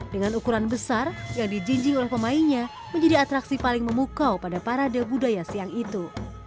dengan ukuran besar yang dijinjing oleh pemainnya menjadi atraksi paling memukau pada parade budaya siang itu